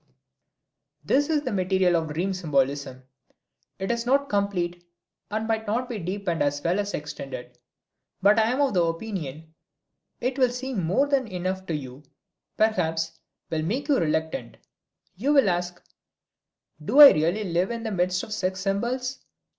This is the material of dream symbolism. It is not complete and might be deepened as well as extended. But I am of the opinion it will seem more than enough to you, perhaps will make you reluctant. You will ask, "Do I really live in the midst of sex symbols?